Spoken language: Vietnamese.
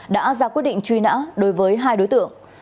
đã ra quyết định truy nã đối với hai đối tượng